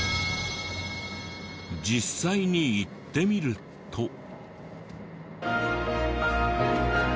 実際に行ってみると。